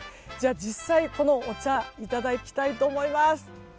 実際に、このお茶をいただきたいと思います。